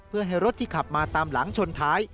เพื่อให้รถที่ขับมาตามหลังชนท้าย